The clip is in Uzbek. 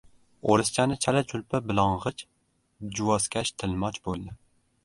O‘rischani chala-chulpa bilong‘ich juvozkash tilmoch bo‘ldi.